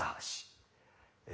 え